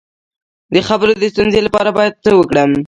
د خبرو د ستونزې لپاره باید څه وکړم؟